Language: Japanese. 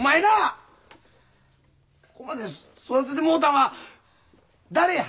ここまで育ててもうたんは誰や？